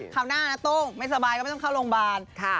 หน้านะโต้งไม่สบายก็ไม่ต้องเข้าโรงพยาบาล